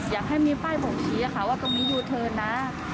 อยากให้มีป้ายผมชี้ว่าตรงนี้ยูเทินนะ